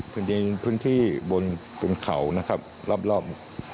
จริงพื้นที่บนเขานะครับรอบ